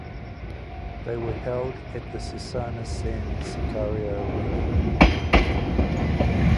They were held at the Cesana-San Sicario arena.